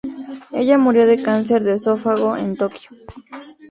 Ella murió de cáncer de esófago en Tokio.